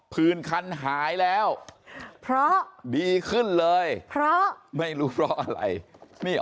ื่นคันหายแล้วเพราะดีขึ้นเลยเพราะไม่รู้เพราะอะไรนี่